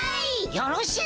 よろしい！